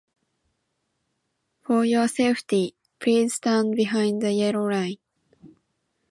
For your safety, please stand behind the yellow line.